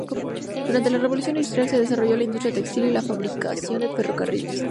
Durante la Revolución Industrial se desarrolló la industria textil y la fabricación de ferrocarriles.